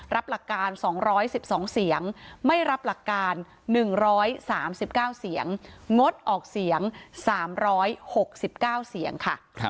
รับหลักการ๒๑๒เสียงไม่รับหลักการ๑๓๙เสียงงดออกเสียง๓๖๙เสียงค่ะ